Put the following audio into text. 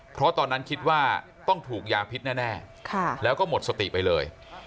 เพราะตอนนั้นคิดว่าต้องถูกยาพิษแน่แล้วก็หมดสติไปเลย